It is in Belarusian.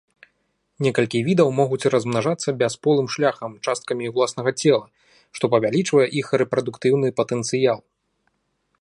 Некалькі відаў могуць размнажацца бясполым шляхам часткамі ўласнага цела, што павялічвае іх рэпрадуктыўны патэнцыял.